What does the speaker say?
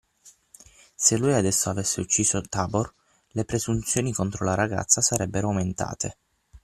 Se lui adesso avesse ucciso Tabor, le presunzioni contro la ragazza sarebbero aumentate.